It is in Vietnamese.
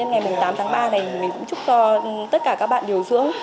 ngày tám tháng ba này mình cũng chúc cho tất cả các bạn điều dưỡng